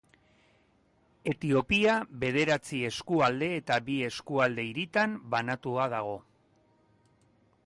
Etiopia bederatzi eskualde eta bi eskualde-hiritan banatua dago.